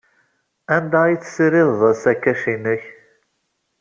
Anda ay tessirideḍ asakac-nnek?